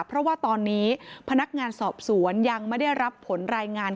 เพราะว่าตอนนี้พนักงานสอบสวนยังไม่ได้รับผลรายงาน